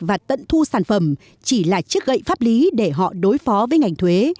và tận thu sản phẩm chỉ là chiếc gậy pháp lý để họ đối phó với ngành thuế